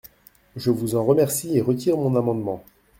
Je vous en remercie et retire mon amendement.